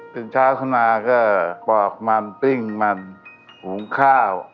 ถึงเช้าทุนาก็ปอกมันปิ้งมันหูข้าว